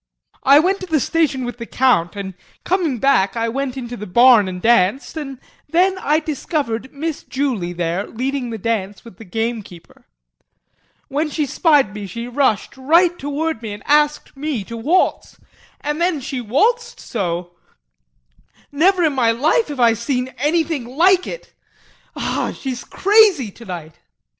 I went to the station with the Count and coming back I went in to the barn and danced and then I discovered Miss Julie there leading the dance with the gamekeeper. When she spied me, she rushed right toward me and asked me to waltz, and then she waltzed so never in my life have I seen anything like it! Ah she is crazy tonight.